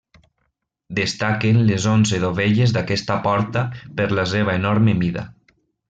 Destaquen les onze dovelles d'aquesta porta, per la seva enorme mida.